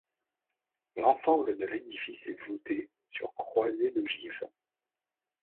L'ensemble de l'édifice est voûté sur croisées d'ogives.